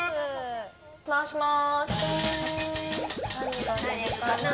回します。